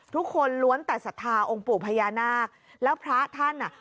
ทุกคนล้วนแต่ศรัทธาองค์ปู่พญานาคแล้วพระท่านอ่ะ